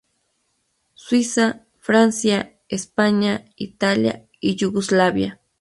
Suiza, Francia, España, Italia y Yugoslavia.